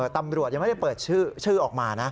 ตำรวจยังไม่ได้เปิดชื่อออกมานะ